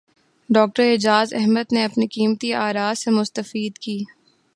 doctor Ijaz Ahmed نے اپنے قیمتی اراءسے مستفید کی